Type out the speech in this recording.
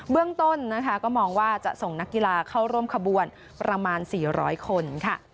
เรื่องต้นนะคะก็มองว่าจะส่งนักกีฬาเข้าร่วมขบวนประมาณ๔๐๐คนค่ะ